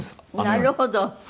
なるほど。